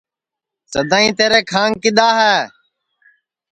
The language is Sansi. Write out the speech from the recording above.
سدائیں تیرے کھانگ کدؔا ہے